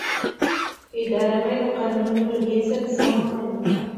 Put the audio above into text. اداره باید د قانون له روحیې سره سم عمل وکړي.